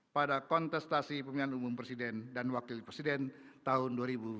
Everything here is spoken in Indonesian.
pada kontestasi pemilihan umum presiden dan wakil presiden tahun dua ribu sembilan belas